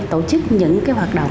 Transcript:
tổ chức những cái hoạt động